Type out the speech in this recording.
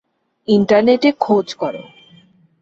ইন্টারনেটে খোঁজ করো।